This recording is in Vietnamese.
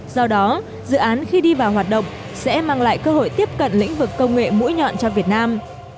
do đó dự án khi đi vào hoạt động sẽ mang lại cơ hội tiếp cận lĩnh vực công nghệ mũi nhọn cho việt nam